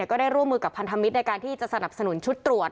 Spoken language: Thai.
ก็ได้ร่วมมือกับพันธมิตรในการที่จะสนับสนุนชุดตรวจ